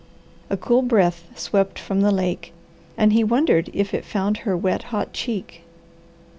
A cool breath swept from the lake and he wondered if it found her wet, hot cheek.